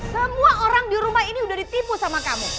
semua orang di rumah ini udah ditipu sama kamu